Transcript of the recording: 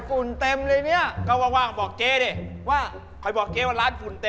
อุ๊ยแต่งพรุ่งขาวสาวบริสุทธิ์